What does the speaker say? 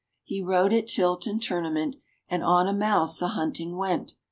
He rode at tilt and tournament And on a mouse a hunting went.